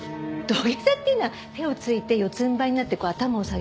土下座っていうのは手をついて四つんばいになってこう頭を下げてですね。